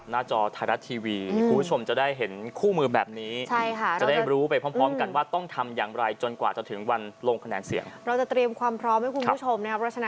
นี้ก็คือเรื่องที่เราจะต้องทำให้พร้อมให้คุณผู้ชม